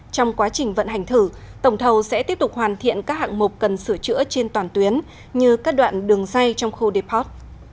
trong quá trình vận hành thử tổng thầu sẽ tiếp tục hoàn thiện các hạng mục cần sửa chữa trên toàn tuyến như các đoạn đường dây trong khu deport